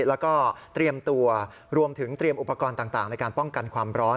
แล้วก็เตรียมตัวรวมถึงเตรียมอุปกรณ์ต่างในการป้องกันความร้อน